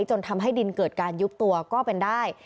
จนทำให้ดินเกิดการยุบตัวก็เป็นได้